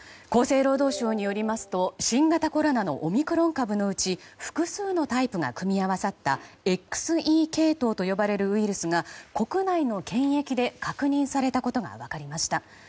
厚生労働省によりますと新型コロナのオミクロン株のうち複数のタイプが組み合わさったＸＥ系統と呼ばれるウイルスが国内の検疫で確認されたことが分かりました。